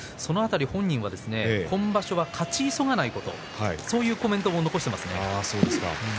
本人は今場所は勝ち急がないことそういうコメントを残しています。